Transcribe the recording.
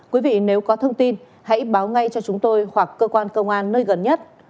quý vị nếu có thông tin hãy báo ngay cho chúng tôi hoặc cơ quan công an nơi gần nhất